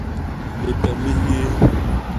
Lipem li hyéé.